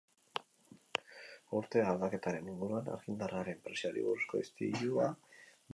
Urte aldaketaren inguruan, argindarraren prezioari buruzko istilua bizi izan dugu.